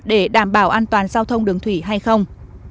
để đảm bảo an toàn giao thông đường thủy hay không